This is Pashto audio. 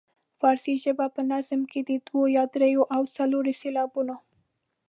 فارسي ژبې په نظم کې د دوو یا دریو او څلورو سېلابونو.